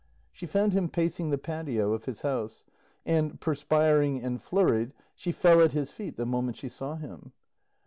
She found him pacing the patio of his house, and, perspiring and flurried, she fell at his feet the moment she saw him.